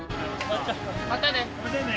またね